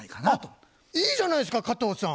あっいいじゃないですか加藤さん。